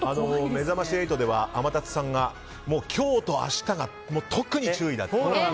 「めざまし８」では天達さんが今日と明日が特に注意だと。